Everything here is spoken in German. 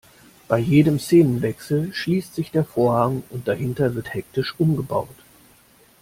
Bei jedem Szenenwechsel schließt sich der Vorhang und dahinter wird hektisch umgebaut.